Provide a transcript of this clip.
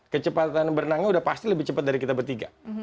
kecepatan berenangnya udah pasti lebih cepat dari kita bertiga